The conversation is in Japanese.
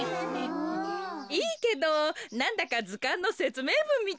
いいけどなんだかずかんのせつめいぶんみたいね。